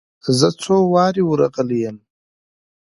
زه څو واره ور رغلى يم.